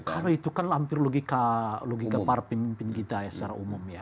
karena itu kan hampir logika para pemimpin kita ya secara umum